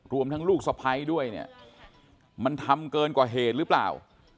รวมทั้งลูกสะพ้ายด้วยเนี่ยมันทำเกินกว่าเหตุหรือเปล่า